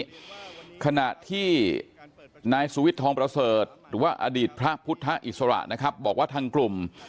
ขณะที่นายสุวิทย์ทองประเสริฐหรือว่าอดีตพระพุทธอิสระนะครับบอกว่าทางกลุ่ม